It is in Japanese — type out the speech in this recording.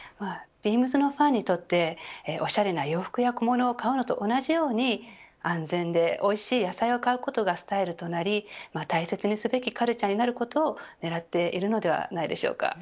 ビームスのファンにとっておしゃれな洋服や小物を買うのと同じように安全でおいしい野菜を買うことがスタイルとなり大切にすべきカルチャーになることを狙っているのではないでしょうか。